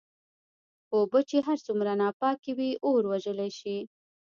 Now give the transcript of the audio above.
اوبه چې هرڅومره ناپاکي وي اور وژلی شې.